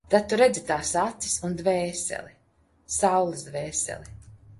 Tad tu redzi tās acis un dvēseli, Saules Dvēseli.